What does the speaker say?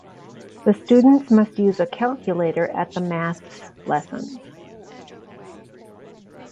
The students must use a calculator at the Maths lessons.